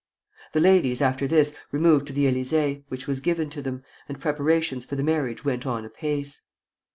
The ladies, after this, removed to the Élysée, which was given to them, and preparations for the marriage went on apace.